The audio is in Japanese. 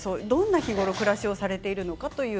日頃どんな暮らしをされているのか。